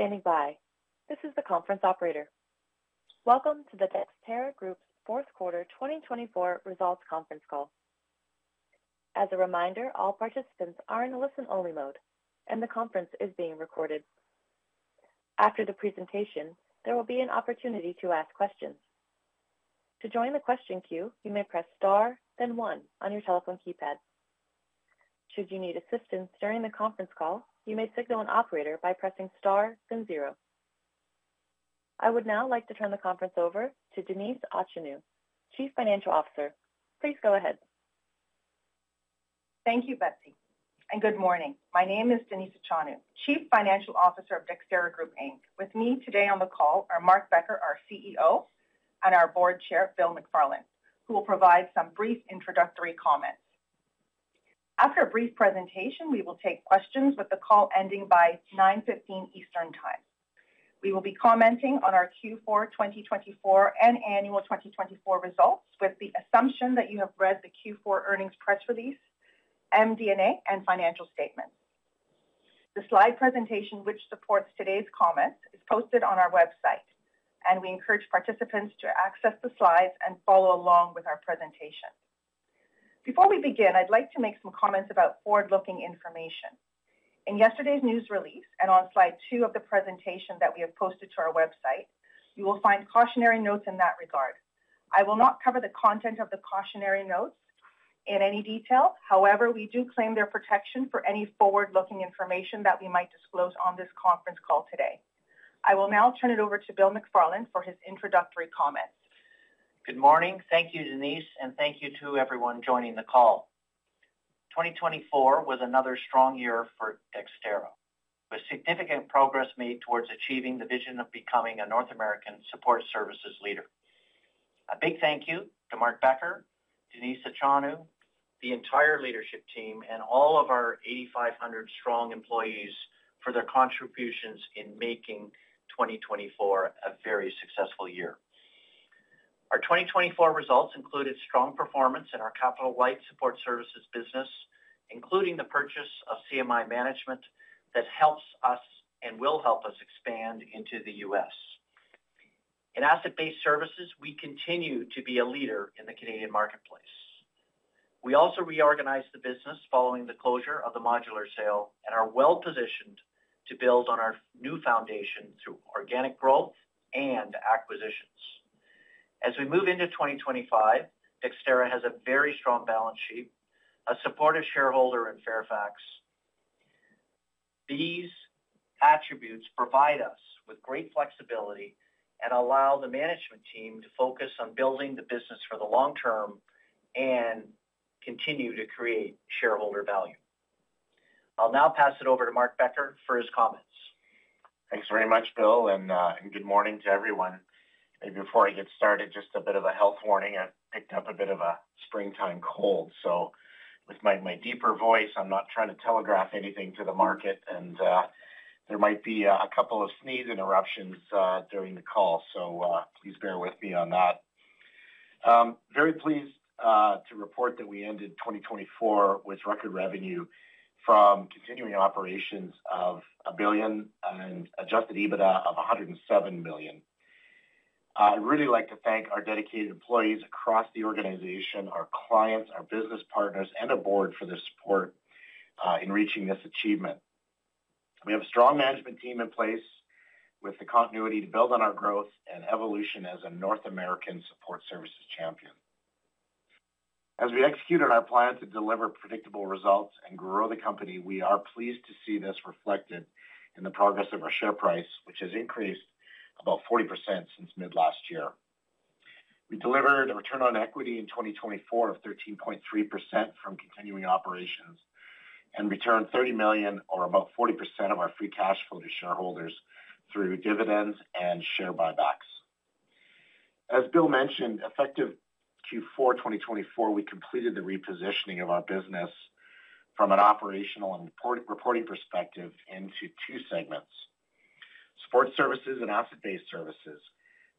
Thank you for standing by. This is the conference Operator. Welcome to the Dexterra Group's Fourth Quarter 2024 Results Conference Call. As a reminder, all participants are in a listen-only mode, and the conference is being recorded. After the presentation, there will be an opportunity to ask questions. To join the question queue, you may press star, then one, on your telephone keypad. Should you need assistance during the conference call, you may signal an Operator by pressing star, then zero. I would now like to turn the conference over to Denise Achonu, Chief Financial Officer. Please go ahead. Thank you, Betsy. Good morning. My name is Denise Achonu, Chief Financial Officer of Dexterra Group. With me today on the call are Mark Becker, our CEO, and our Board Chair, Bill McFarland, who will provide some brief introductory comments. After a brief presentation, we will take questions with the call ending by 9:15 A.M. Eastern Time. We will be commenting on our Q4 2024 and annual 2024 results with the assumption that you have read the Q4 earnings press release, MD&A, and financial statements. The slide presentation, which supports today's comments, is posted on our website, and we encourage participants to access the slides and follow along with our presentation. Before we begin, I'd like to make some comments about forward-looking information. In yesterday's news release and on slide two of the presentation that we have posted to our website, you will find cautionary notes in that regard. I will not cover the content of the cautionary notes in any detail. However, we do claim their protection for any forward-looking information that we might disclose on this conference call today. I will now turn it over to Bill McFarland for his introductory comments. Good morning. Thank you, Denise, and thank you to everyone joining the call. 2024 was another strong year for Dexterra, with significant progress made towards achieving the vision of becoming a North American support services leader. A big thank you to Mark Becker, Denise Achonu, the entire leadership team, and all of our 8,500 strong employees for their contributions in making 2024 a very successful year. Our 2024 results included strong performance in our capital light support services business, including the purchase of CMI Management that helps us and will help us expand into the U.S. In asset-based services, we continue to be a leader in the Canadian marketplace. We also reorganized the business following the closure of the modular sale, and are well-positioned to build on our new foundation through organic growth and acquisitions. As we move into 2025, Dexterra has a very strong balance sheet, a supportive shareholder in Fairfax. These attributes provide us with great flexibility and allow the management team to focus on building the business for the long term and continue to create shareholder value. I'll now pass it over to Mark Becker for his comments. Thanks very much, Bill, and good morning to everyone. Maybe before I get started, just a bit of a health warning. I picked up a bit of a springtime cold, so with my deeper voice, I'm not trying to telegraph anything to the market, and there might be a couple of sneeze interruptions during the call, so please bear with me on that. Very pleased to report that we ended 2024 with record revenue from continuing operations of 1 billion and adjusted EBITDA of 107 million. I'd really like to thank our dedicated employees across the organization, our clients, our business partners, and the board for their support in reaching this achievement. We have a strong management team in place with the continuity to build on our growth and evolution as a North American support services champion. As we execute on our plan to deliver predictable results and grow the company, we are pleased to see this reflected in the progress of our share price, which has increased about 40% since mid-last year. We delivered a return on equity in 2024 of 13.3% from continuing operations and returned 30 million, or about 40% of our free cash flow to shareholders, through dividends and share buybacks. As Bill mentioned, effective Q4 2024, we completed the repositioning of our business from an operational and reporting perspective into two segments: support services and asset-based services.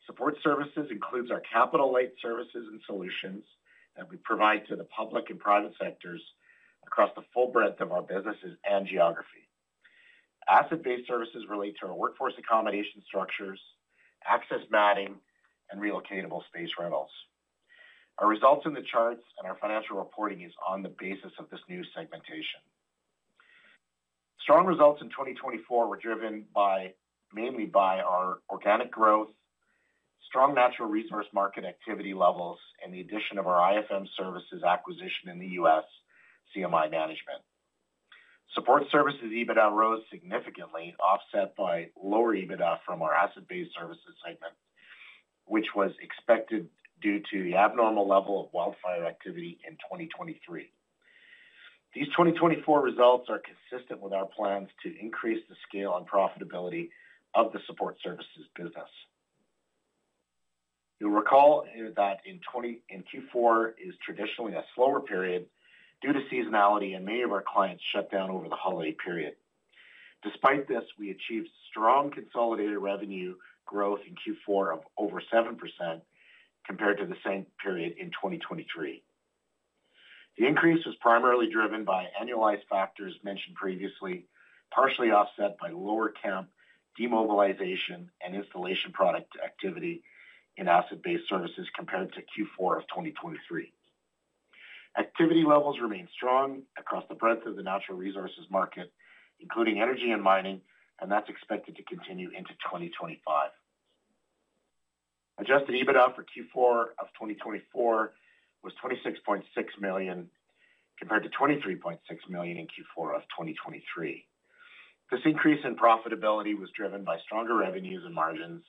Support services includes our Capital Light services and solutions that we provide to the public and private sectors across the full breadth of our businesses and geography. Asset-based services relate to our workforce accommodation structures, access matting, and relocatable space rentals. Our results in the charts and our financial reporting is on the basis of this new segmentation. Strong results in 2024 were driven mainly by our organic growth, strong natural resource market activity levels, and the addition of our IFM services acquisition in the U.S. CMI Management. Support services EBITDA rose significantly, offset by lower EBITDA from our asset-based services segment, which was expected due to the abnormal level of wildfire activity in 2023. These 2024 results are consistent with our plans to increase the scale and profitability of the support services business. You'll recall that in Q4 is traditionally a slower period due to seasonality, and many of our clients shut down over the holiday period. Despite this, we achieved strong consolidated revenue growth in Q4 of over 7% compared to the same period in 2023. The increase was primarily driven by annualized factors mentioned previously, partially offset by lower temporary demobilization and installation product activity in asset-based services compared to Q4 of 2023. Activity levels remained strong across the breadth of the natural resources market, including energy and mining, and that is expected to continue into 2025. Adjusted EBITDA for Q4 of 2024 was 26.6 million compared to 23.6 million in Q4 of 2023. This increase in profitability was driven by stronger revenues and margins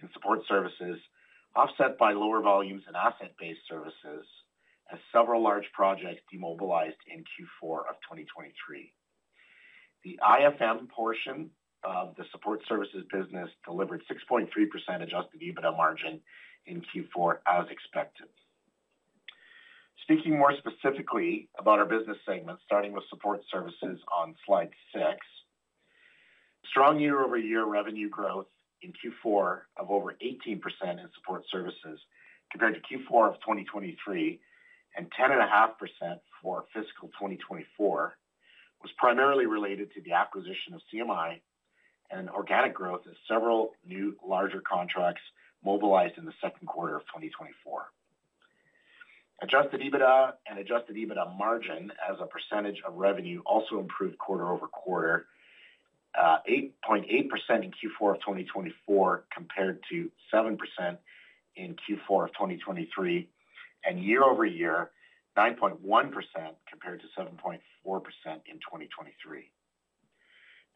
in support services, offset by lower volumes in asset-based services as several large projects demobilized in Q4 of 2023. The IFM portion of the support services business delivered a 6.3% adjusted EBITDA margin in Q4, as expected. Speaking more specifically about our business segment, starting with support services on slide six, strong year-over-year revenue growth in Q4 of over 18% in support services compared to Q4 of 2023 and 10.5% for fiscal 2024 was primarily related to the acquisition of CMI and organic growth as several new larger contracts mobilized in the second quarter of 2024. Adjusted EBITDA and adjusted EBITDA margin as a percentage of revenue also improved quarter-over-quarter, 8.8% in Q4 of 2024 compared to 7% in Q4 of 2023, and year-over-year, 9.1% compared to 7.4% in 2023.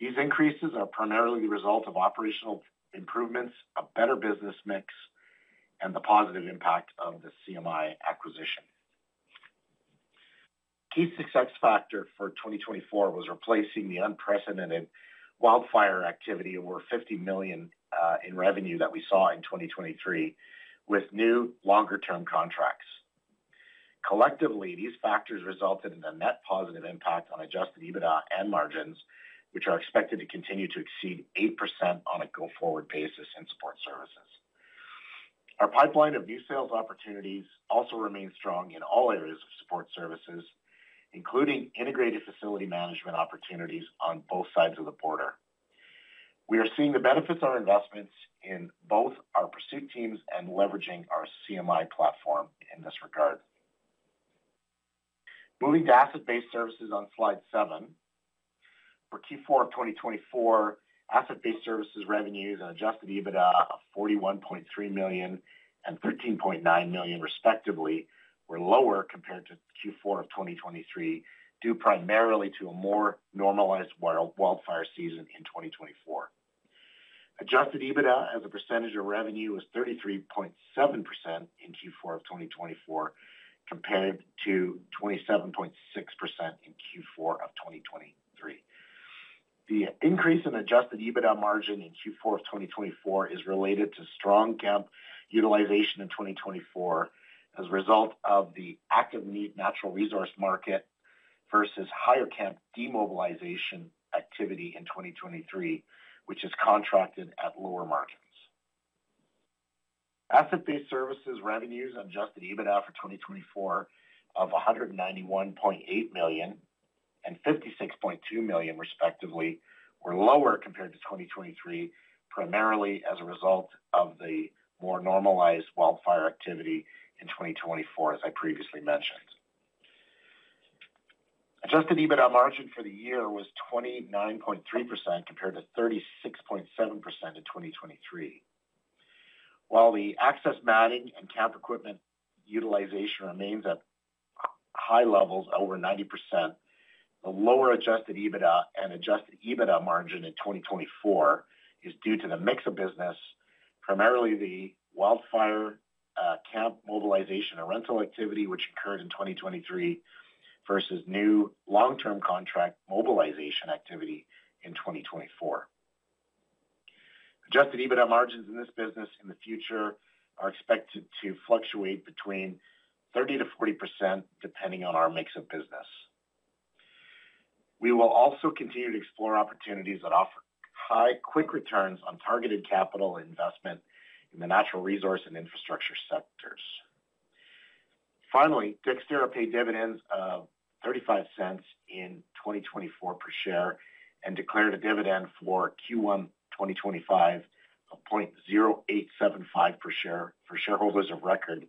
These increases are primarily the result of operational improvements, a better business mix, and the positive impact of the CMI acquisition. Key success factor for 2024 was replacing the unprecedented wildfire activity over 50 million in revenue that we saw in 2023 with new longer-term contracts. Collectively, these factors resulted in a net positive impact on adjusted EBITDA and margins, which are expected to continue to exceed 8% on a go-forward basis in support services. Our pipeline of new sales opportunities also remains strong in all areas of support services, including integrated facility management opportunities on both sides of the border. We are seeing the benefits of our investments in both our pursuit teams and leveraging our CMI platform in this regard. Moving to asset-based services on slide seven, for Q4 of 2024, asset-based services revenues and adjusted EBITDA of 41.3 million and 13.9 million, respectively, were lower compared to Q4 of 2023 due primarily to a more normalized wildfire season in 2024. Adjusted EBITDA as a percentage of revenue was 33.7% in Q4 of 2024 compared to 27.6% in Q4 of 2023. The increase in adjusted EBITDA margin in Q4 of 2024 is related to strong camp utilization in 2024 as a result of the active need natural resource market versus higher camp demobilization activity in 2023, which is contracted at lower margins. Asset-based services revenues and adjusted EBITDA for 2024 of 191.8 million and 56.2 million, respectively, were lower compared to 2023, primarily as a result of the more normalized wildfire activity in 2024, as I previously mentioned. Adjusted EBITDA margin for the year was 29.3% compared to 36.7% in 2023. While the access matting and camp equipment utilization remains at high levels, over 90%, the lower adjusted EBITDA and adjusted EBITDA margin in 2024 is due to the mix of business, primarily the wildfire camp mobilization and rental activity, which occurred in 2023, versus new long-term contract mobilization activity in 2024. Adjusted EBITDA margins in this business in the future are expected to fluctuate between 30%-40%, depending on our mix of business. We will also continue to explore opportunities that offer high quick returns on targeted capital investment in the natural resource and infrastructure sectors. Finally, Dexterra paid dividends of 0.35 in 2024 per share and declared a dividend for Q1 2025 of 0.0875 per share for shareholders of record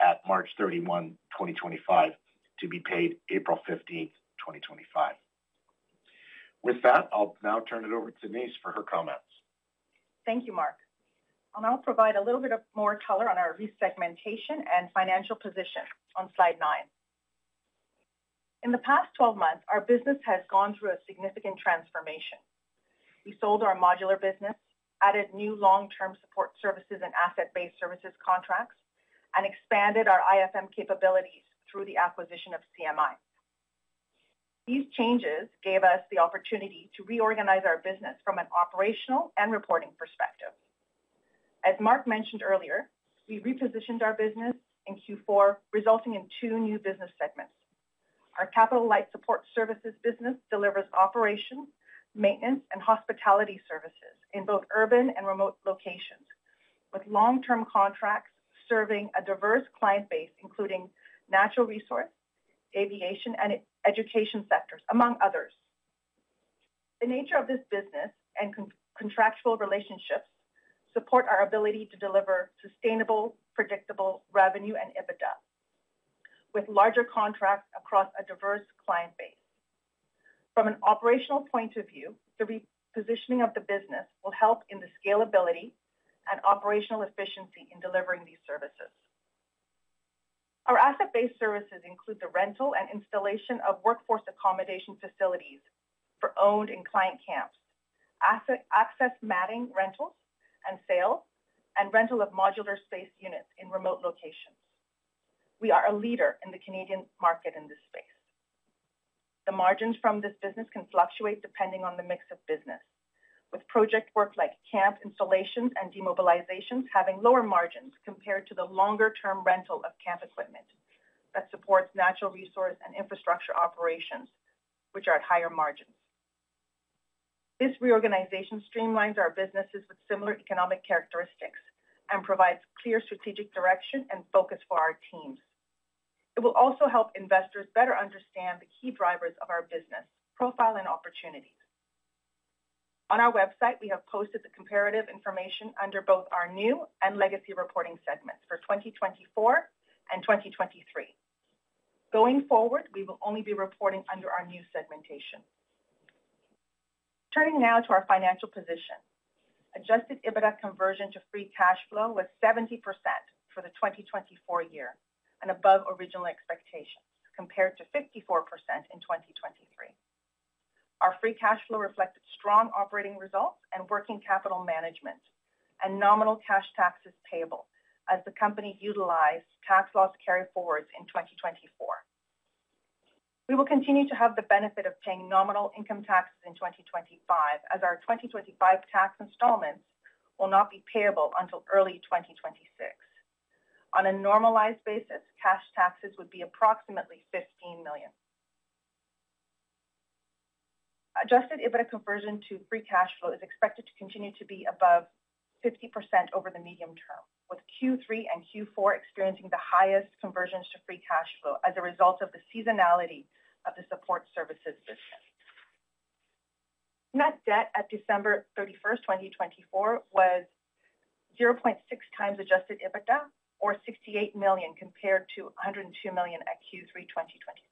at March 31, 2025, to be paid April 15, 2025. With that, I'll now turn it over to Denise for her comments. Thank you, Mark. I'll now provide a little bit more color on our resegmentation and financial position on slide nine. In the past 12 months, our business has gone through a significant transformation. We sold our modular business, added new long-term support services and asset-based services contracts, and expanded our IFM capabilities through the acquisition of CMI. These changes gave us the opportunity to reorganize our business from an operational and reporting perspective. As Mark mentioned earlier, we repositioned our business in Q4, resulting in two new business segments. Our Capital Light support services business delivers operations, maintenance, and hospitality services in both urban and remote locations, with long-term contracts serving a diverse client base, including natural resource, aviation, and education sectors, among others. The nature of this business and contractual relationships support our ability to deliver sustainable, predictable revenue and EBITDA, with larger contracts across a diverse client base. From an operational point of view, the repositioning of the business will help in the scalability and operational efficiency in delivering these services. Our asset-based services include the rental and installation of workforce accommodation facilities for owned and client camps, access matting rentals and sales, and rental of modular space units in remote locations. We are a leader in the Canadian market in this space. The margins from this business can fluctuate depending on the mix of business, with project work like camp installations and demobilizations having lower margins compared to the longer-term rental of camp equipment that supports natural resource and infrastructure operations, which are at higher margins. This reorganization streamlines our businesses with similar economic characteristics and provides clear strategic direction and focus for our teams. It will also help investors better understand the key drivers of our business profile and opportunities. On our website, we have posted the comparative information under both our new and legacy reporting segments for 2024 and 2023. Going forward, we will only be reporting under our new segmentation. Turning now to our financial position, adjusted EBITDA conversion to free cash flow was 70% for the 2024 year and above original expectations compared to 54% in 2023. Our free cash flow reflected strong operating results and working capital management and nominal cash taxes payable as the company utilized tax loss carry forwards in 2024. We will continue to have the benefit of paying nominal income taxes in 2025, as our 2025 tax installments will not be payable until early 2026. On a normalized basis, cash taxes would be approximately 15 million. Adjusted EBITDA conversion to free cash flow is expected to continue to be above 50% over the medium term, with Q3 and Q4 experiencing the highest conversions to free cash flow as a result of the seasonality of the support services business. Net debt at December 31st, 2024, was 0.6 times adjusted EBITDA, or 68 million compared to 102 million at Q3 2024.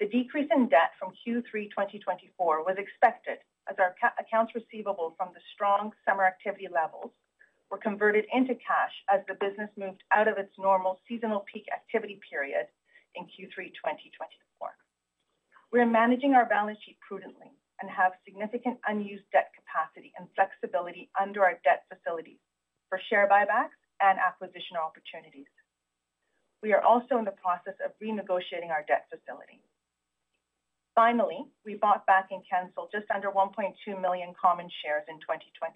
The decrease in debt from Q3 2024 was expected as our accounts receivable from the strong summer activity levels were converted into cash as the business moved out of its normal seasonal peak activity period in Q3 2024. We are managing our balance sheet prudently and have significant unused debt capacity and flexibility under our debt facilities for share buybacks and acquisition opportunities. We are also in the process of renegotiating our debt facility. Finally, we bought back and canceled just under 1.2 million common shares in 2024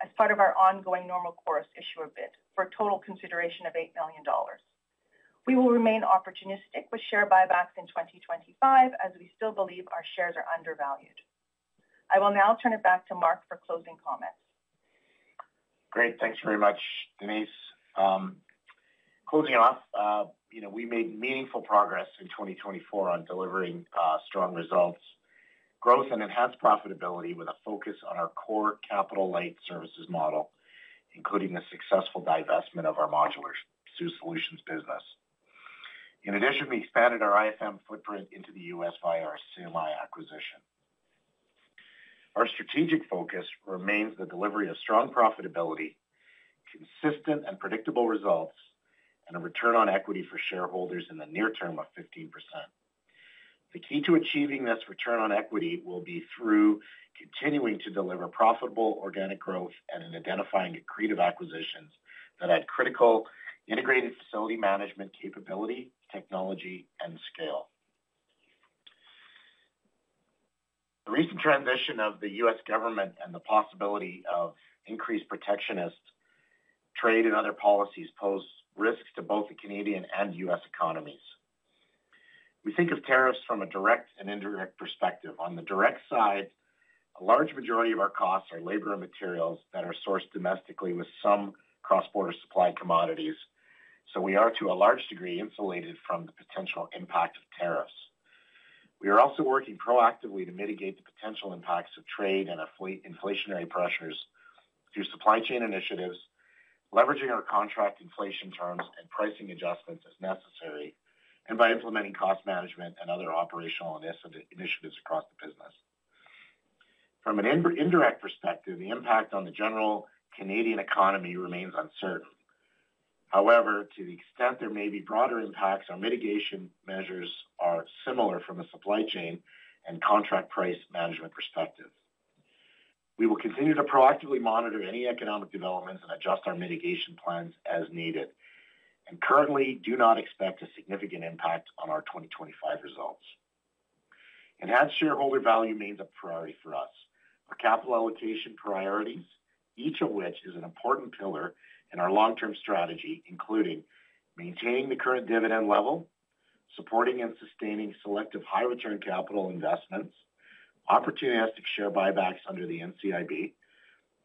as part of our ongoing normal course issuer bid for a total consideration of 8 million dollars. We will remain opportunistic with share buybacks in 2025 as we still believe our shares are undervalued. I will now turn it back to Mark for closing comments. Great. Thanks very much, Denise. Closing off, we made meaningful progress in 2024 on delivering strong results, growth, and enhanced profitability with a focus on our core Capital Light services model, including the successful divestment of our modular solutions business. In addition, we expanded our IFM footprint into the U.S. via our CMI acquisition. Our strategic focus remains the delivery of strong profitability, consistent and predictable results, and a return on equity for shareholders in the near term of 15%. The key to achieving this return on equity will be through continuing to deliver profitable organic growth and in identifying accretive acquisitions that add critical integrated facility management capability, technology, and scale. The recent transition of the U.S. government and the possibility of increased protectionist trade and other policies pose risks to both the Canadian and U.S. economies. We think of tariffs from a direct and indirect perspective. On the direct side, a large majority of our costs are labor and materials that are sourced domestically with some cross-border supplied commodities, so we are to a large degree insulated from the potential impact of tariffs. We are also working proactively to mitigate the potential impacts of trade and inflationary pressures through supply chain initiatives, leveraging our contract inflation terms and pricing adjustments as necessary, and by implementing cost management and other operational initiatives across the business. From an indirect perspective, the impact on the general Canadian economy remains uncertain. However, to the extent there may be broader impacts, our mitigation measures are similar from a supply chain and contract price management perspective. We will continue to proactively monitor any economic developments and adjust our mitigation plans as needed and currently do not expect a significant impact on our 2025 results. Enhanced shareholder value remains a priority for us. Our capital allocation priorities, each of which is an important pillar in our long-term strategy, include maintaining the current dividend level, supporting and sustaining selective high-return capital investments, opportunistic share buybacks under the NCIB,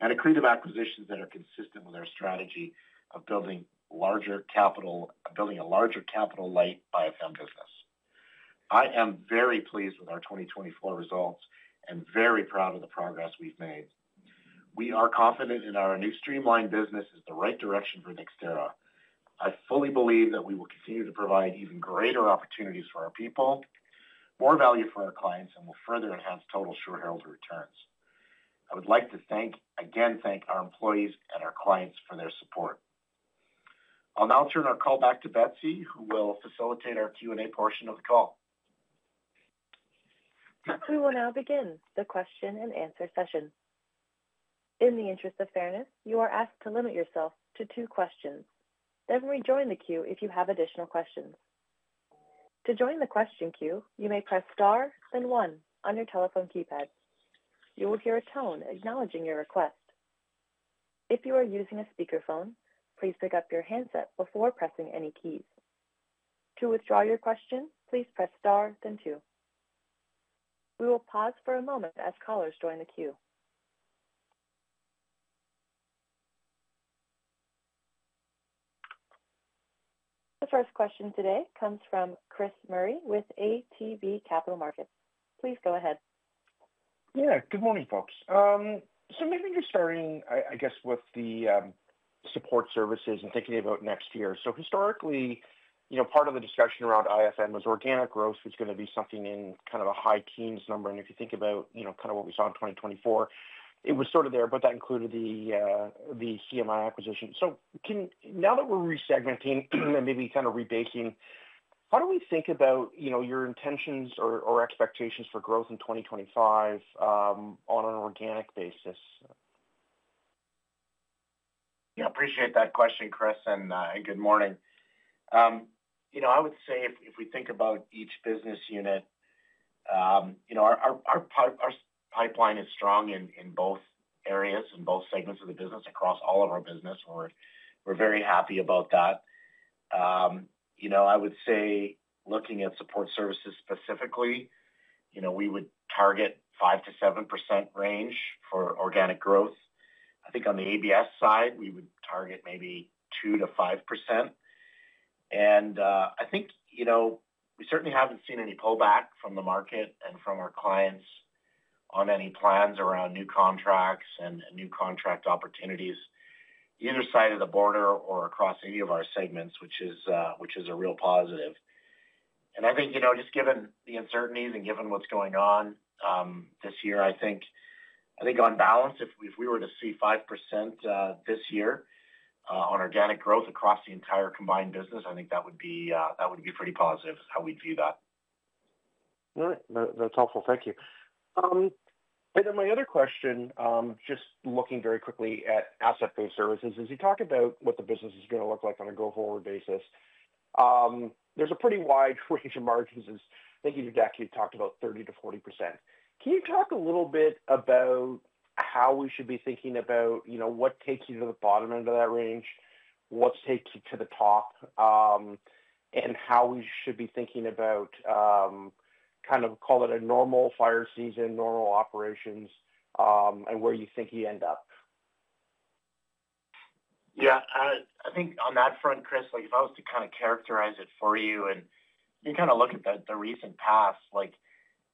and accretive acquisitions that are consistent with our strategy of building a larger Capital Light IFM business. I am very pleased with our 2024 results and very proud of the progress we've made. We are confident our new streamlined business is the right direction for Dexterra. I fully believe that we will continue to provide even greater opportunities for our people, more value for our clients, and will further enhance total shareholder returns. I would like to again thank our employees and our clients for their support. I'll now turn our call back to Betsy, who will facilitate our Q&A portion of the call. We will now begin the question and answer session. In the interest of fairness, you are asked to limit yourself to two questions. Rejoin the queue if you have additional questions. To join the question queue, you may press star then one on your telephone keypad. You will hear a tone acknowledging your request. If you are using a speakerphone, please pick up your handset before pressing any keys. To withdraw your question, please press star then two. We will pause for a moment as callers join the queue. The first question today comes from Chris Murray with ATB Capital Markets. Please go ahead. Yeah. Good morning, folks. Maybe just starting, I guess, with the support services and thinking about next year. Historically, part of the discussion around IFM was organic growth was going to be something in kind of a high teens number. If you think about kind of what we saw in 2024, it was sort of there, but that included the CMI acquisition. Now that we're resegmenting and maybe kind of rebaking, how do we think about your intentions or expectations for growth in 2025 on an organic basis? Yeah. I appreciate that question, Chris, and good morning. I would say if we think about each business unit, our pipeline is strong in both areas and both segments of the business across all of our business. We're very happy about that. I would say looking at support services specifically, we would target 5%-7% range for organic growth. I think on the ABS side, we would target maybe 2%-5%. I think we certainly haven't seen any pullback from the market and from our clients on any plans around new contracts and new contract opportunities either side of the border or across any of our segments, which is a real positive. I think just given the uncertainties and given what's going on this year, I think on balance, if we were to see 5% this year on organic growth across the entire combined business, I think that would be pretty positive how we'd view that. All right. That's helpful. Thank you. My other question, just looking very quickly at asset-based services, as you talk about what the business is going to look like on a go-forward basis, there's a pretty wide range of margins. Thinking to deck, you talked about 30%-40%. Can you talk a little bit about how we should be thinking about what takes you to the bottom end of that range, what takes you to the top, and how we should be thinking about kind of call it a normal fire season, normal operations, and where you think you end up? Yeah. I think on that front, Chris, if I was to kind of characterize it for you and you kind of look at the recent past,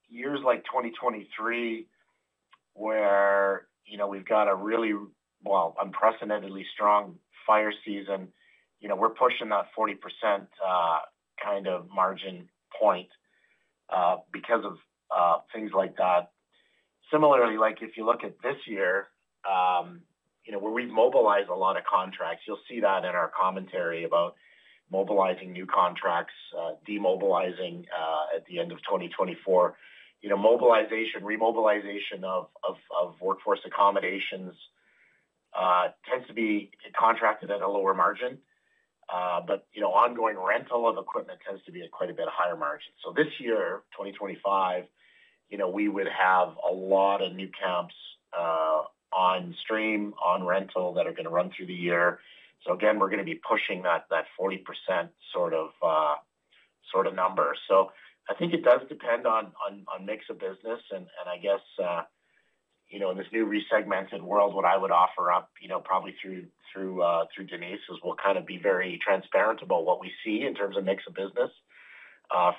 years like 2023, where we've got a really, actually, unprecedentedly strong fire season, we're pushing that 40% kind of margin point because of things like that. Similarly, if you look at this year, where we've mobilized a lot of contracts, you'll see that in our commentary about mobilizing new contracts, demobilizing at the end of 2024. Remobilization of workforce accommodations tends to be contracted at a lower margin, but ongoing rental of equipment tends to be at quite a bit higher margin. This year, 2025, we would have a lot of new camps on stream, on rental that are going to run through the year. Again, we're going to be pushing that 40% sort of number. I think it does depend on mix of business. I guess in this new resegmented world, what I would offer up probably through Denise is we'll kind of be very transparent about what we see in terms of mix of business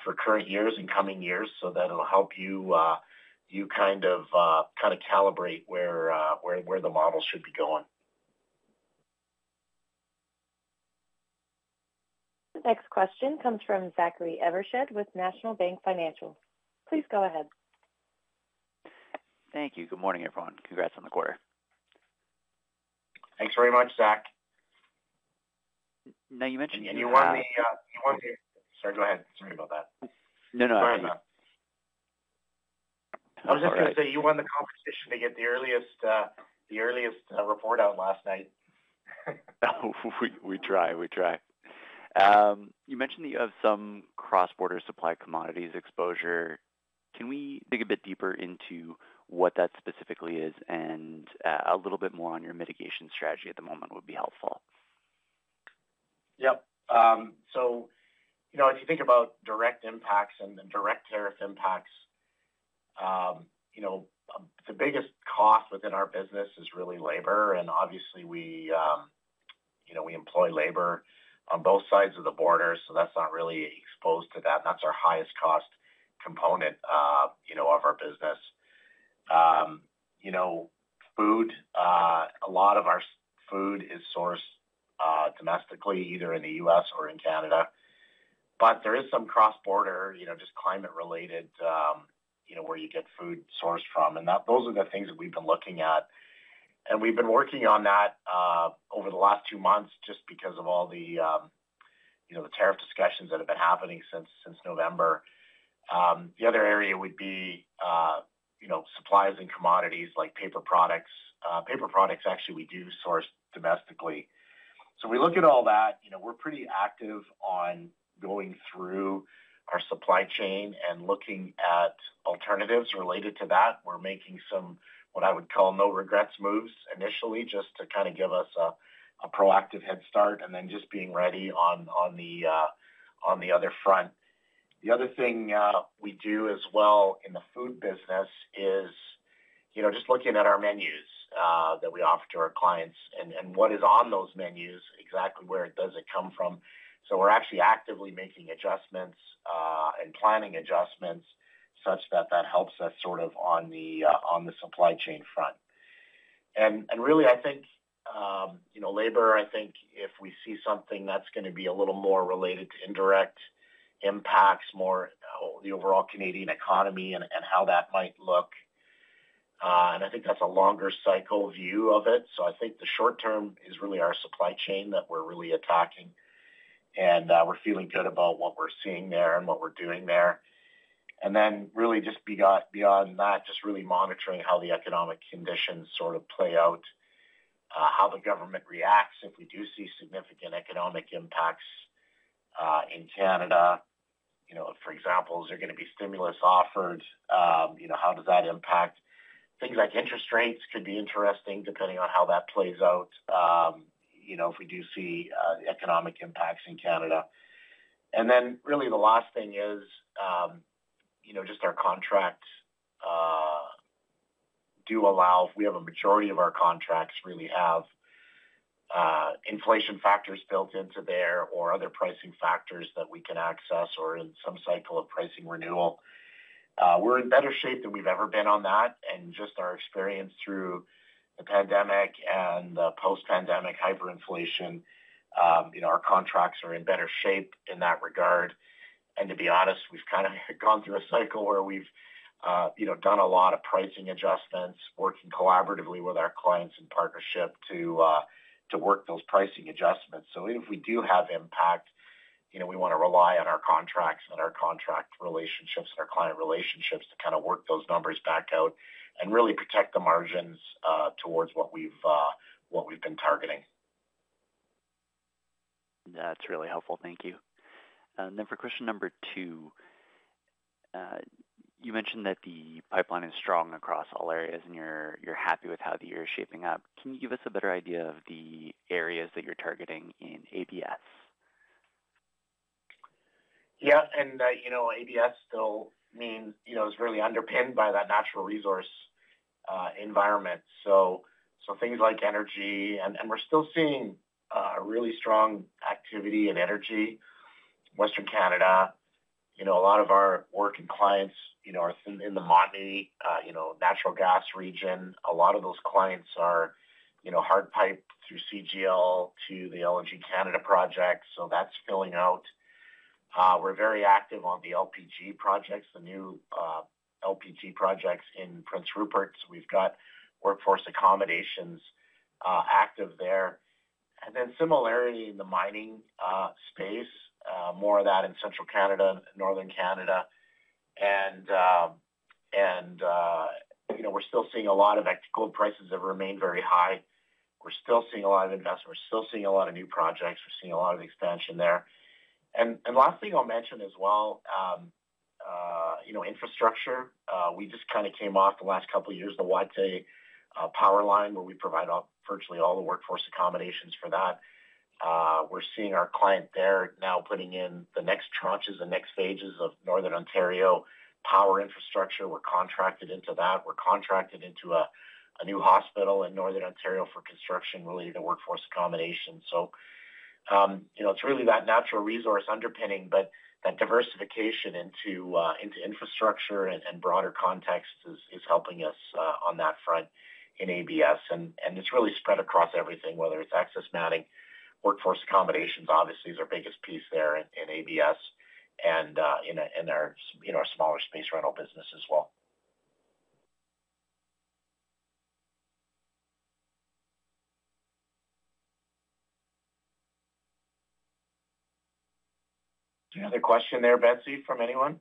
for current years and coming years so that it'll help you kind of calibrate where the model should be going. Next question comes from Zachary Evershed with National Bank Financial. Please go ahead. Thank you. Good morning, everyone. Congrats on the quarter. Thanks very much, Zach. Now, you mentioned. You won the—sorry, go ahead. Sorry about that. No, no. Sorry about that. I was just going to say you won the competition to get the earliest report out last night. We try. We try. You mentioned that you have some cross-border supplied commodities exposure. Can we dig a bit deeper into what that specifically is and a little bit more on your mitigation strategy at the moment would be helpful? Yep. If you think about direct impacts and direct tariff impacts, the biggest cost within our business is really labor. Obviously, we employ labor on both sides of the border, so that's not really exposed to that. That's our highest cost component of our business. Food, a lot of our food is sourced domestically, either in the US or in Canada. There is some cross-border, just climate-related, where you get food sourced from. Those are the things that we've been looking at. We've been working on that over the last two months just because of all the tariff discussions that have been happening since November. The other area would be supplies and commodities like paper products. Paper products, actually, we do source domestically. We look at all that. We're pretty active on going through our supply chain and looking at alternatives related to that. We're making some, what I would call, no-regrets moves initially just to kind of give us a proactive head start and just being ready on the other front. The other thing we do as well in the food business is just looking at our menus that we offer to our clients and what is on those menus, exactly where it does come from. We're actually actively making adjustments and planning adjustments such that that helps us sort of on the supply chain front. I think labor, I think if we see something that's going to be a little more related to indirect impacts, more the overall Canadian economy and how that might look. I think that's a longer cycle view of it. I think the short term is really our supply chain that we're really attacking. We're feeling good about what we're seeing there and what we're doing there. Then just beyond that, just really monitoring how the economic conditions sort of play out, how the government reacts if we do see significant economic impacts in Canada. For example, is there going to be stimulus offered? How does that impact? Things like interest rates could be interesting depending on how that plays out if we do see economic impacts in Canada. The last thing is just our contracts do allow, if we have a majority of our contracts, really have inflation factors built into there or other pricing factors that we can access or in some cycle of pricing renewal. We're in better shape than we've ever been on that. Our experience through the pandemic and the post-pandemic hyperinflation, our contracts are in better shape in that regard. To be honest, we've kind of gone through a cycle where we've done a lot of pricing adjustments, working collaboratively with our clients in partnership to work those pricing adjustments. Even if we do have impact, we want to rely on our contracts and our contract relationships and our client relationships to kind of work those numbers back out and really protect the margins towards what we've been targeting. That's really helpful. Thank you. For question number two, you mentioned that the pipeline is strong across all areas and you're happy with how the year is shaping up. Can you give us a better idea of the areas that you're targeting in ABS? Yeah. ABS still means it's really underpinned by that natural resource environment. Things like energy, and we're still seeing really strong activity in energy, Western Canada. A lot of our work and clients are in the Montney natural gas region. A lot of those clients are hard pipe through CGL to the LNG Canada project. That's filling out. We're very active on the LPG projects, the new LPG projects in Prince Rupert. We've got workforce accommodations active there. Similarity in the mining space, more of that in Central Canada, Northern Canada. We're still seeing a lot of gold prices have remained very high. We're still seeing a lot of investment. We're still seeing a lot of new projects. We're seeing a lot of expansion there. Last thing I'll mention as well, infrastructure. We just kind of came off the last couple of years, the Watay Power Line, where we provide virtually all the workforce accommodations for that. We're seeing our client there now putting in the next trenches and next phases of Northern Ontario power infrastructure. We're contracted into that. We're contracted into a new hospital in Northern Ontario for construction related to workforce accommodation. It is really that natural resource underpinning, but that diversification into infrastructure and broader context is helping us on that front in ABS. It is really spread across everything, whether it's access matting, workforce accommodations, obviously, is our biggest piece there in ABS and in our smaller space rental business as well. Any other question there, Betsy, from anyone?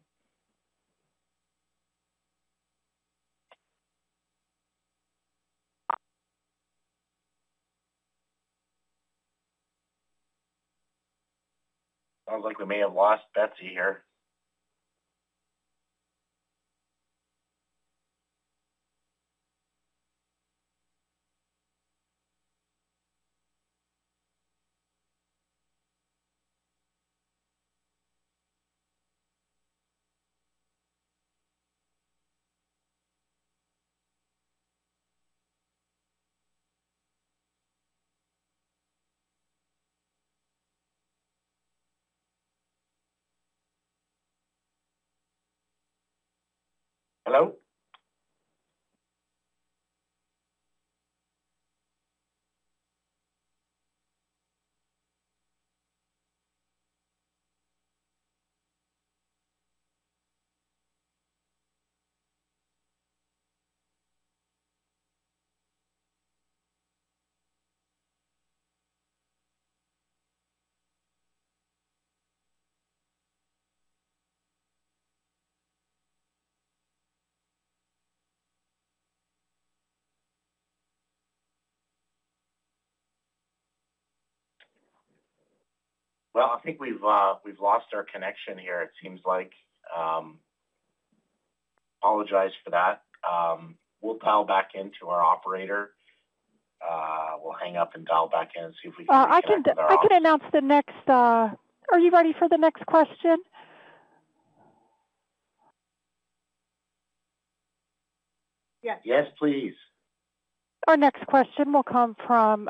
Sounds like we may have lost Betsy here. Hello? I think we've lost our connection here, it seems like. Apologize for that. We'll dial back into our Operator. We'll hang up and dial back in and see if we can get back to there. I can announce the next. Are you ready for the next question? Yes. Yes, please. Our next question will come from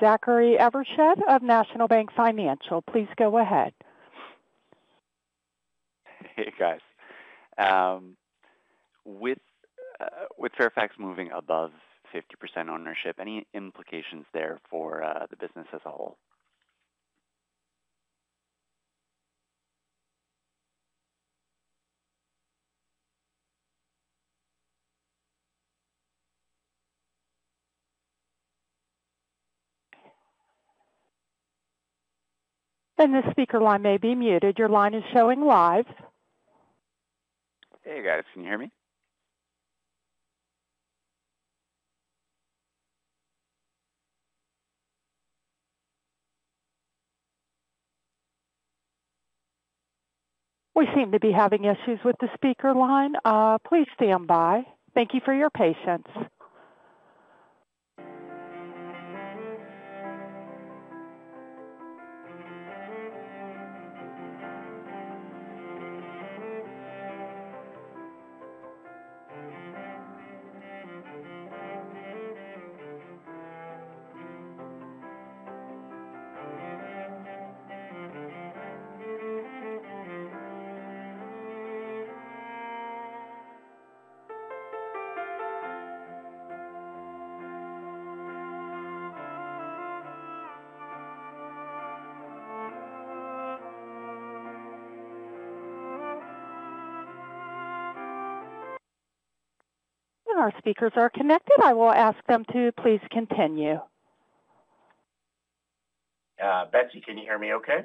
Zachary Evershed of National Bank Financial. Please go ahead. Hey, guys. With Fairfax moving above 50% ownership, any implications there for the business as a whole? The speaker line may be muted. Your line is showing live. Hey, guys. Can you hear me? We seem to be having issues with the speaker line. Please stand by. Thank you for your patience. Our speakers are connected. I will ask them to please continue. Betsy, can you hear me okay?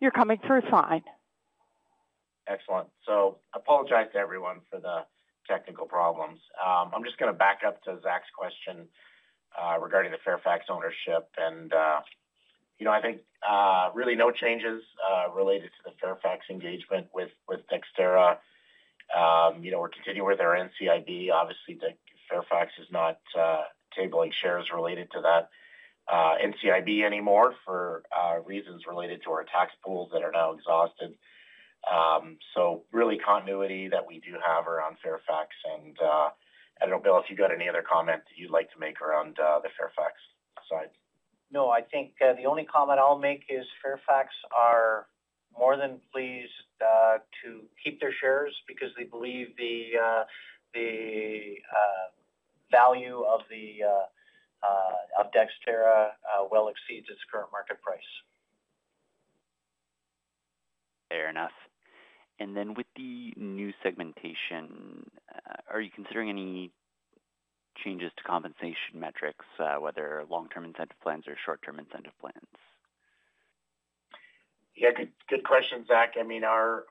You're coming through fine. Excellent. I apologize to everyone for the technical problems. I'm just going to back up to Zach's question regarding the Fairfax ownership. I think really no changes related to the Fairfax engagement with Dexterra. We're continuing with our NCIB. Obviously, Fairfax is not tabling shares related to that NCIB anymore for reasons related to our tax pools that are now exhausted. Really continuity that we do have around Fairfax. I don't know, Bill, if you've got any other comment you'd like to make around the Fairfax side. No, I think the only comment I'll make is Fairfax are more than pleased to keep their shares because they believe the value of Dexterra well exceeds its current market price. Fair enough. With the new segmentation, are you considering any changes to compensation metrics, whether long-term incentive plans or short-term incentive plans? Yeah, good question, Zach. I mean, our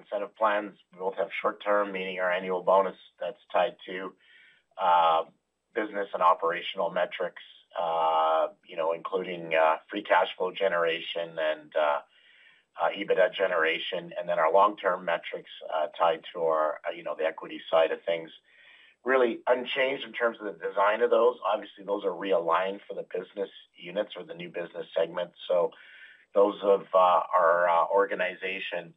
incentive plans, we both have short-term, meaning our annual bonus that's tied to business and operational metrics, including free cash flow generation and EBITDA generation. Then our long-term metrics tied to the equity side of things. Really unchanged in terms of the design of those. Obviously, those are realigned for the business units or the new business segments. Those of our organization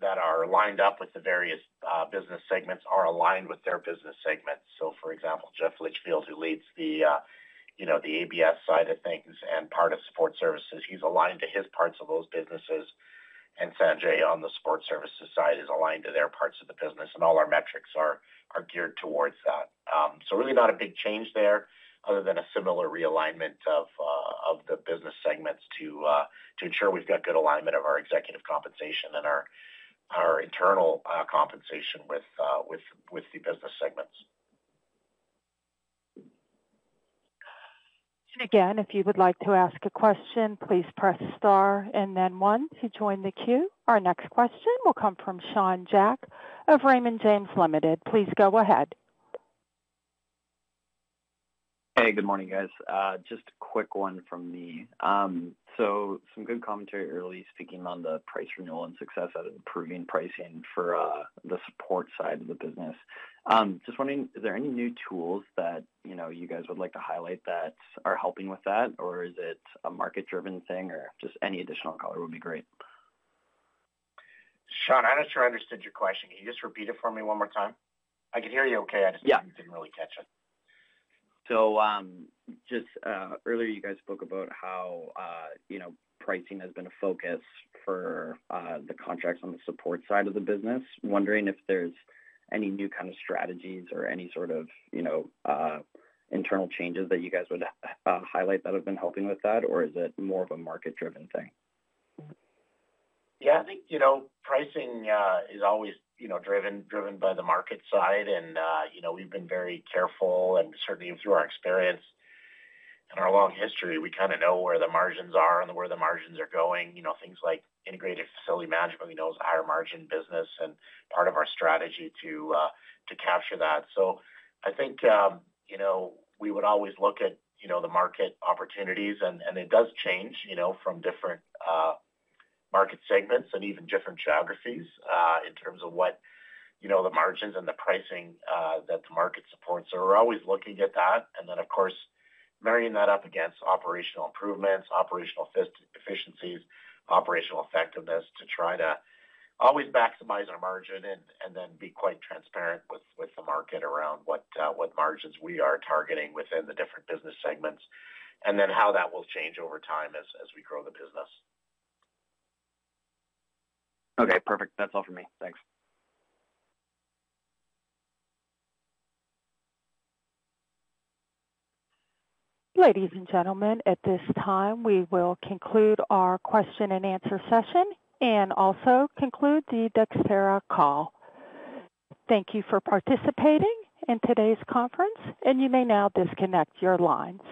that are lined up with the various business segments are aligned with their business segments. For example, Jeff Litchfield, who leads the ABS side of things and part of support services, he's aligned to his parts of those businesses. Sanjay on the support services side is aligned to their parts of the business. All our metrics are geared towards that. Really not a big change there other than a similar realignment of the business segments to ensure we've got good alignment of our executive compensation and our internal compensation with the business segments. If you would like to ask a question, please press star. Once you join the queue, our next question will come from Sean Jack of Raymond James Limited. Please go ahead. Hey, good morning, guys. Just a quick one from me. Some good commentary early speaking on the price renewal and success of improving pricing for the support side of the business. Just wondering, is there any new tools that you guys would like to highlight that are helping with that? Is it a market-driven thing? Any additional color would be great. Sean, I'm not sure I understood your question. Can you just repeat it for me one more time? I can hear you okay. I just didn't really catch it. Earlier, you guys spoke about how pricing has been a focus for the contracts on the support side of the business. Wondering if there's any new kind of strategies or any sort of internal changes that you guys would highlight that have been helping with that? Or is it more of a market-driven thing? Yeah, I think pricing is always driven by the market side. We've been very careful. Certainly, through our experience and our long history, we kind of know where the margins are and where the margins are going. Things like integrated facility management, we know is a higher margin business and part of our strategy to capture that. I think we would always look at the market opportunities. It does change from different market segments and even different geographies in terms of what the margins and the pricing that the market supports. We're always looking at that. Of course, marrying that up against operational improvements, operational efficiencies, operational effectiveness to try to always maximize our margin and then be quite transparent with the market around what margins we are targeting within the different business segments and then how that will change over time as we grow the business. Okay, perfect. That's all for me. Thanks. Ladies and gentlemen, at this time, we will conclude our question and answer session and also conclude the Dexterra call. Thank you for participating in today's conference. You may now disconnect your lines.